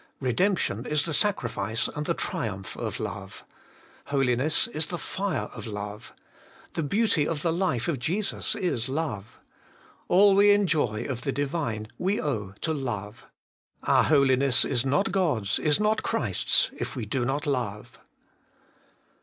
Redemption is the sacri fice and the triumph of love. Holiness is the fire of love. The beauty of the life of Jesus is love. All we enjoy of the Divine we owe to love. Our holiness is not God's, is not Christ's, if we do not loue.